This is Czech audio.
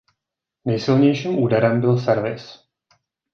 Nejsilnějším úderem byl servis.